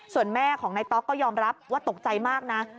ส่วนแม่ของนายต๊อกก็ยอมรับว่าตกใจมากนะ